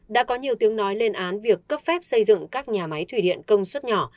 đã có nhiều tiếng nói lên án việc cấp phép xây dựng các nhà máy thủy điện công suất nhỏ